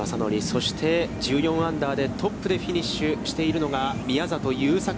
そして、１４アンダーでトップでフィニッシュしているのが宮里優作。